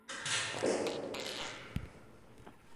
Es una especie de climas templados de Europa y Asia.